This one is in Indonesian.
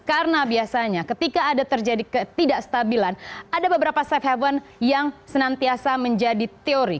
karena biasanya ketika ada terjadi ketidakstabilan ada beberapa safe haven yang senantiasa menjadi teori